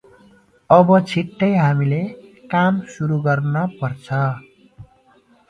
अब छिटै हामीले काम सुरु गर्न पर्छ ।